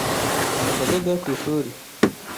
Najyaga ku ishuri.